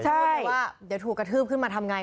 เพราะว่าเดี๋ยวถูกกระทืบขึ้นมาทำไง